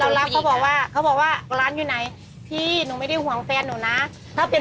ตรศิษย์เขาบอกว่าฉันเล่นหมด๓บาทเหลือ๒อย่างนั้นเอามาคืน